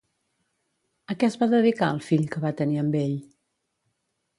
A què es va dedicar el fill que va tenir amb ell?